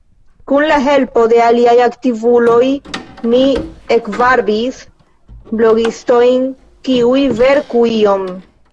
Kun la helpo de aliaj aktivuloj, mi ekvarbis blogistojn kiuj verku ion.